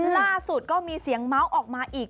ล่าสุดก็มีเสียงเมาส์ออกมาอีก